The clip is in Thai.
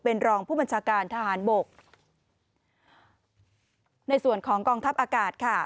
เป็นรองผู้บัญชาการทหารบกในส่วนของกองทัพอากาศค่ะ